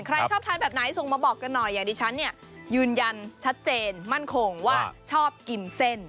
ใครชอบทานแบบไหนส่งมาบอกกันหน่อยอย่างดิฉันเนี่ยยืนยันชัดเจนมั่นคงว่าชอบกินเส้น